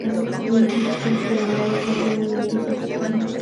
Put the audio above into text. El edificio está restaurado —salvo el recinto exterior—.